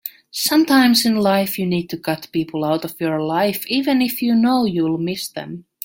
Sometimes in life you need to cut people out of your life even if you know you'll miss them.